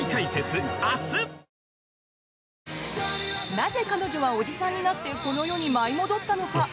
なぜ彼女は、おじさんになってこの世に舞い戻ったのか？